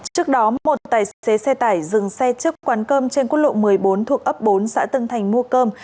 trước đó một tài xế xe tải dừng xe trước quán cơm trên quốc lộ một mươi bốn thuộc ấp bốn xã tân thành mua cơm